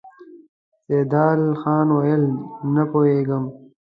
سيدال خان وويل: نه پوهېږم!